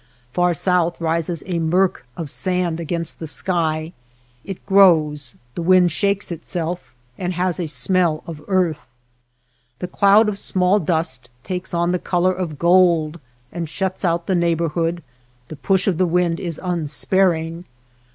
Far south rises a murk of sand against the sky; it grows, the wind shakes itself, and has a smell of earth. The cloud of small dust takes on the color of gold and shuts out the neighborhood, the push of the wind is unsparing.